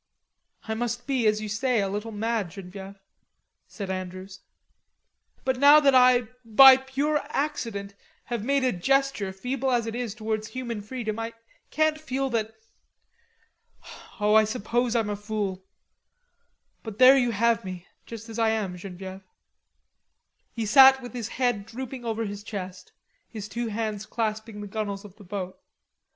"I must be, as you say, a little mad, Genevieve," said Andrews. "But now that I, by pure accident, have made a gesture, feeble as it is, towards human freedom, I can't feel that.... Oh, I suppose I'm a fool.... But there you have me, just as I am, Genevieve." He sat with his head drooping over his chest, his two hands clasping the gunwales of the boat.